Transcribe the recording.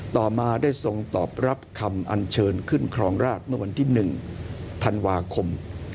ต่อมาได้ทรงตอบรับคำอันเชิญขึ้นครองราชเมื่อวันที่๑ธันวาคม